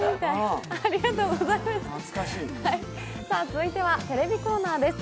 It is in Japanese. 続いてはテレビコーナーです。